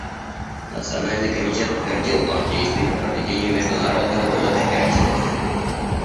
Национальный комитет утвердил план действий по проведению Международного года кооперативов.